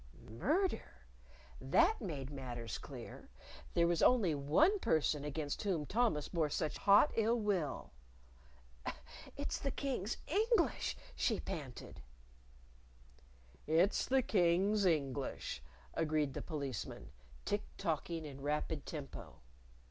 Murder? That made matters clear! There was only one person against whom Thomas bore such hot ill will. "It's the King's English," she panted. "It's the King's English," agreed the Policeman, tick tocking in rapid tempo.